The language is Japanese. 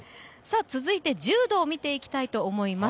続いて柔道を見ていきたいと思います。